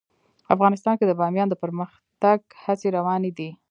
افغانستان کې د بامیان د پرمختګ هڅې روانې دي.